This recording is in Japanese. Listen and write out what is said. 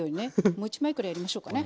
もう一枚くらいやりましょうかね。